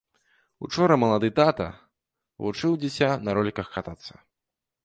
Учора малады тата вучыў дзіця на роліках катацца.